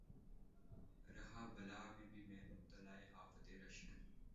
رہا بلا میں بھی میں مبتلائے آفت رشک